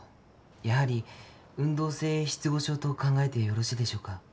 やはり運動性失語症と考えてよろしいでしょうか？